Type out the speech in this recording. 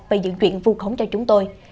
và dựng chuyện vu khống cho chúng tôi